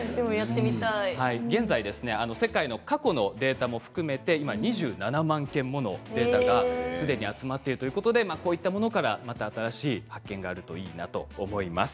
現在、世界の過去のデータも含めて２７万件ものデータがすでに集まっているということでこういったものから新しい発見があるといいなと思います。